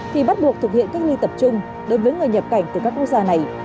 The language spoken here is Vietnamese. thì bắt buộc thực hiện cách ly tập trung đối với người nhập cảnh từ các quốc gia này